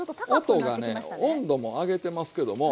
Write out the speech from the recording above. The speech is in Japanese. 音がね温度も上げてますけども。